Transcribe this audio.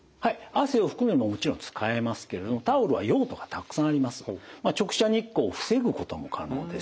汗をふくのにももちろん使えますけれどもタオルは用途がたくさんあります。